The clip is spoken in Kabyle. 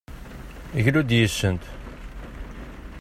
Glu-d yis-sent!